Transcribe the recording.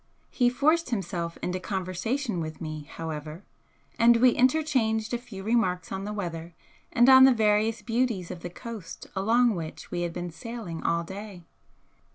He forced himself into conversation with me, however, and we interchanged a few remarks on the weather and on the various beauties of the coast along which we had been sailing all day.